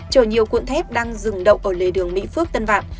chở nhiều cuộn thép đang dừng đậu ở lề đường mỹ phước tân vạn